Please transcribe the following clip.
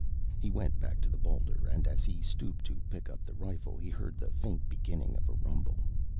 He went back to the boulder, and as he stooped to pick up the rifle, he heard the faint beginning of a rumble.